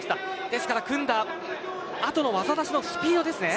ですから組んだあとの技出しのスピードですね。